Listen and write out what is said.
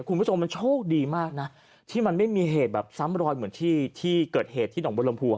คุณผู้ชมมันโชคดีมากนะที่มันไม่มีเหตุแบบซ้ำรอยเหมือนที่ที่เกิดเหตุที่หนองบนลมพวง